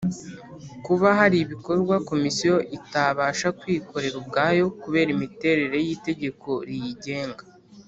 Kuba hari ibikorwa Komisiyo itabasha kwikorera ubwayo kubera imiterere y Itegeko riyigenga